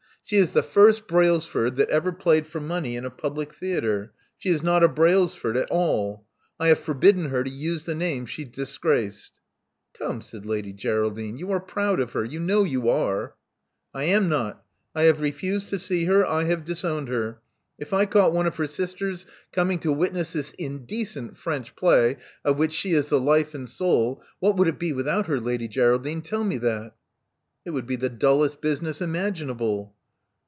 She is the first Brailsford that ever played for money in a public theatre. She is not a Brailsford at all. I have forbidden her to use the name she's disgraced." "Come," said Lady Geraldine. You are proud of her. You know you are." I am not. I have refused to see her. I have dis owned her. If I caught one of her sisters coming to 246 Love Among the Artists witness this indecent French play of which she is the life and soul — what would it be without her, Lady Geraldine? Tell me that '* •*It would be the dullest business imaginable."